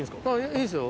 いいですよ。